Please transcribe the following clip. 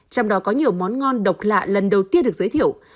trong đó có nhiều món ngon độc lạ lần đầu tiên được giới thiệu